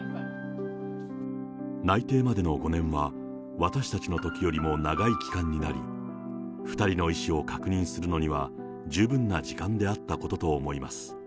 内定までの５年は、私たちのときよりも長い期間になり、２人の意思を確認するのには、十分な時間であったことと思います。